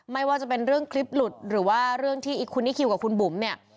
ไม่ว่าจะเป็นเรื่องคลิปหลุดหรือว่าเรื่องที่คุณนิคิวกับคุณบุ๋มเนี่ย